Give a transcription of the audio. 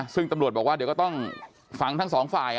ซึ่งตำรวจบอกว่าเดี๋ยวก็ต้องฟังทั้งสองฝ่าย